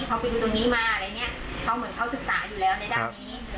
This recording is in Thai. เขาไปดูตรงนี้มาอะไรอย่างเงี้ยเขาเหมือนเขาศึกษาอยู่แล้วในด้านนี้